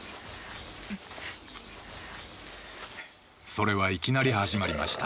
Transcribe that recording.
それはいきなり始まりました。